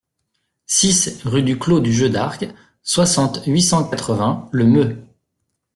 six rue du Clos du Jeu d'Arc, soixante, huit cent quatre-vingts, Le Meux